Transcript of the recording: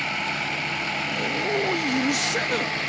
もう許せぬ！